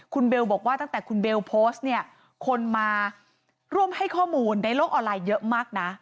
คุณเบลบอกว่าตั้งแต่คุณเบลโพสต์เนี่ยคนมาร่วมให้ข้อมูลในโลกออนไลน์เยอะมากนะ